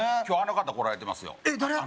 今日あの方来られてますよえっ誰？